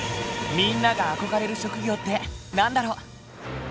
みんなが憧れる職業って何だろう？